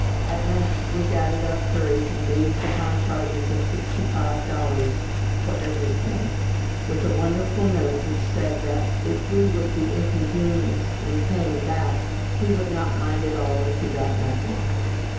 At length we gathered our courage, and gazed upon charges of sixty five dollars for everything, with a wonderful note which said that, if we would be inconvenienced in paying that, he would not mind at all if he got nothing.